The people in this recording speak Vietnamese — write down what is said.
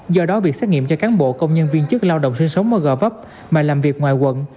do đó việc xét nghiệm cho cán bộ công nhân viên chức lao động sinh sống ở gò vấp mà làm việc ngoài quận